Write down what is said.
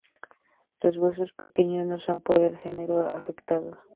Los huesos pequeños no son, por el general afectados.